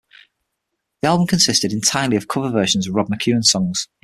The album consisted entirely of cover versions of Rod McKuen songs.